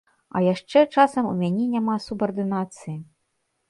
А яшчэ часам у мяне няма субардынацыі.